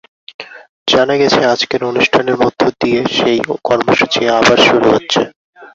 জানা গেছে, আজকের অনুষ্ঠানের মধ্য দিয়ে সেই কর্মসূচি আবার শুরু হচ্ছে।